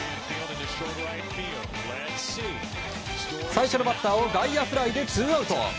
最初のバッターを外野フライでツーアウト。